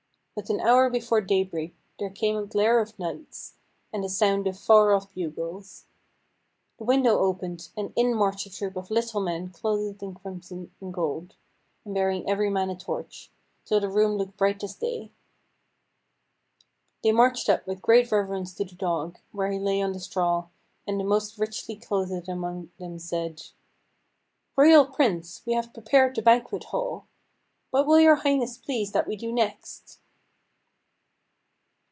But an hour before daybreak there came a glare of lights, and a sound of far off bugles. The window opened, and in marched a troop of little men clothed in crimson and gold, and bearing every man a torch, till the room looked bright as day. They marched up with great reverence to the dog, where he lay on the straw, and the most richly clothed among them said: "Royal Prince, we have prepared the banquet hall. What will Your Highness please that we do next?"